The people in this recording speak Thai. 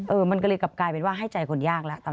มันก็เลยกลับกลายเป็นว่าให้ใจคนยากแล้ว